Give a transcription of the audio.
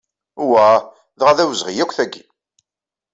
Wah, dɣa d awezɣi akk, tagi!